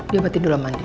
diobatin dulu sama dia